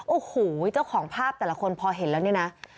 โอ้โหเจ้าของภาพแต่ละคนพอเห็นแล้วเนี่ยนะ